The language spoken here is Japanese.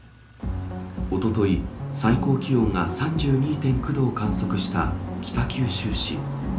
おととい、最高気温が３２．９度を観測した北九州市。